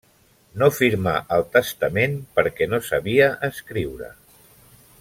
No firmà el testament perquè no sabia escriure.